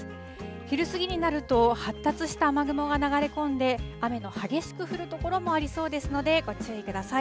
昼過ぎになると、発達した雨雲が流れ込んで、雨の激しく降る所もありそうですので、ご注意ください。